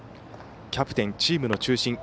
キャプテン、チームの中心。